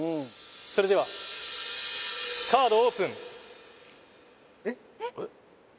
それではカードオープンえっ！？